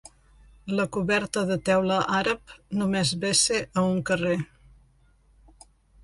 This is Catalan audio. La coberta de teula àrab només vessa a un carrer.